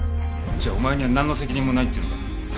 じゃあお前にはなんの責任もないっていうのか？